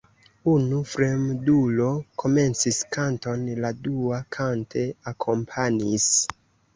Unu fremdulo komencis kanton, la dua kante akompanis.